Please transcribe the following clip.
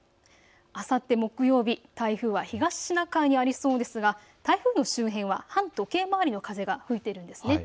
あさって木曜日、台風は東シナ海にありそうですが台風の周辺は反時計回りの風が吹いているんです。